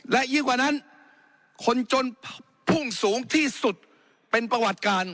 และยิ่งกว่านั้นคนจนพุ่งสูงที่สุดเป็นประวัติการ